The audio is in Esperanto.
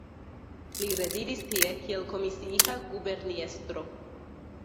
Li rezidis tie kiel komisiita guberniestro.